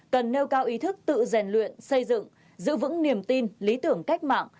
cần nêu cao ý thức tự rèn luyện xây dựng giữ vững niềm tin lý tưởng cách mạng